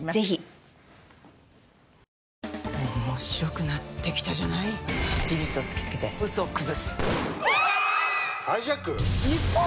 「面白くなってきたじゃない」「事実を突きつけてウソを崩す」「キャー！」